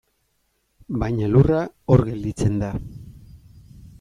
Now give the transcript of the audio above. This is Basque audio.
Baina lurra, hor gelditzen da.